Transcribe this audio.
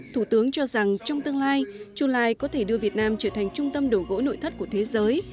thủ tướng cho rằng trong tương lai chu lai có thể đưa việt nam trở thành trung tâm đổ gỗ nội thất của thế giới